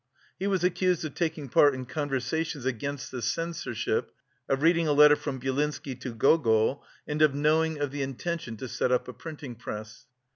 He was accused of "taking part in conversations against the censorship, of reading a letter from Byelinsky to Gogol, and of knowing of the intention to set up a printing press."